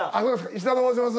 石田と申します。